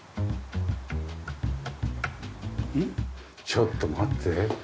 ちょっと待って。